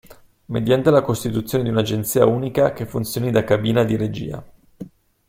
Mediante la costituzione di un'agenzia unica che funzioni da cabina di regia.